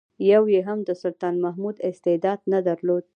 یو یې هم د سلطان محمود استعداد نه درلود.